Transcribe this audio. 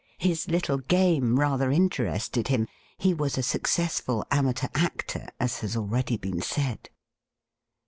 His little game rather interested him. He was a suc cessful amateur actor, as has already been said.